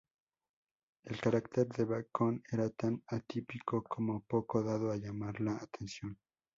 El carácter de Bacon era tan atípico como poco dado a llamar la atención.